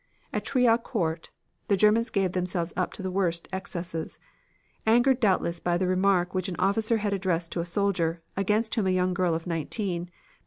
"At Triaucourt the Germans gave themselves up to the worst excesses. Angered doubtless by the remark which an officer had addressed to a soldier, against whom a young girl of nineteen, Mlle.